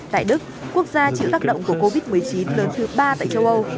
tại đức quốc gia chịu tác động của covid một mươi chín lớn thứ ba tại châu âu